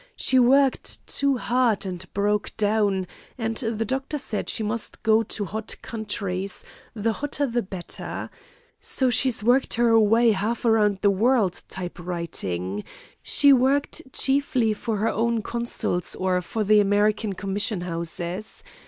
She worked too hard and broke down, and the doctor said she must go to hot countries, the 'hotter the better.' So she's worked her way half around the world typewriting. She worked chiefly for her own consuls or for the American commission houses.